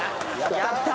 やったー！